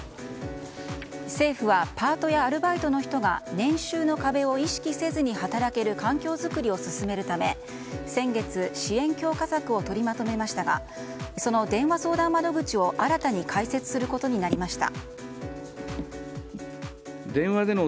政府はパートやアルバイトの人が年収の壁を意識せずに働ける環境づくりを進めるため先月、支援強化策を取りまとめましたがその電話相談窓口を新たに開設することになりました。